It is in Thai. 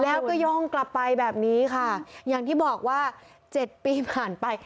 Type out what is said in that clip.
แล้วก็ย่องกลับไปแบบนี้ค่ะอย่างที่บอกว่า๗ปีผ่านไป